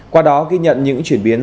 qua đó ghi nhận những chuyển biến